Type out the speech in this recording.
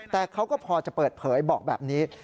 แต่เขาก็พอจะเปิดเผยบอกแบบนี้